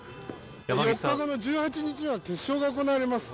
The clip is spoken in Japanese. １８日には決勝が行われます。